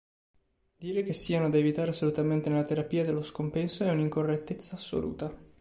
Dire che siano da evitare assolutamente nella terapia dello scompenso è un'incorrettezza assoluta.